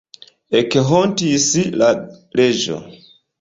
Ekhontis la reĝo.